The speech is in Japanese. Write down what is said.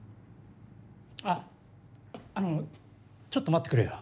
あっあのちょっと待ってくれよ。